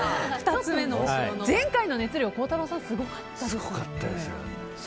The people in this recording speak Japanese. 前回の熱量孝太郎さん、すごかったですよね。